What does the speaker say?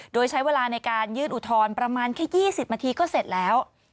โดยใช้เวลาในการยื่นอุทธรณ์ประมาณแค่๒๐นาทีก็เสร็จแล้ว